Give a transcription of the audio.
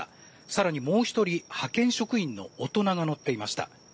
更にもう１人、派遣職員の大人が乗っていました。